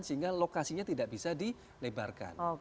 sehingga lokasinya tidak bisa dilebarkan